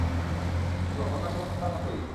অন্য সবার মতোই।